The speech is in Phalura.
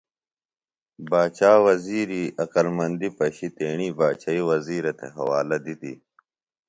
باچا وزِیری عقلمندیۡ پشیۡ تیݨی باچئیۡ وزِیرہ تھےۡ حوالہ دِتیۡ